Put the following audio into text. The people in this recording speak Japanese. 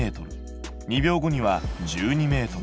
２秒後には１２ｍ。